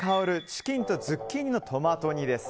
チキンとズッキーニのトマト煮です。